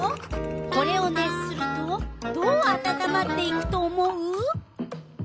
これを熱するとどうあたたまっていくと思う？